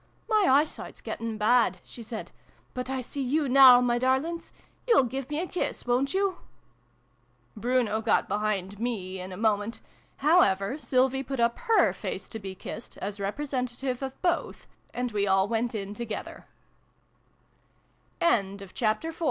" My eyesight's getting bad," she said, "but I see you now, my darlings ! You'll give me a kiss, wo'n't you ?" Bruno got behind me, in a moment : however Sylvie put up her face, to be kissed, as repre sentative of both, and we all we